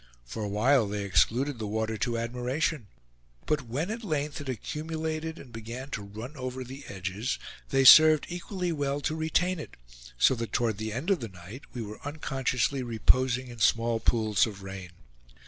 For a while they excluded the water to admiration; but when at length it accumulated and began to run over the edges, they served equally well to retain it, so that toward the end of the night we were unconsciously reposing in small pools of rain.